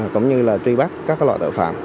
cũng như là truy bắt các loại tội phạm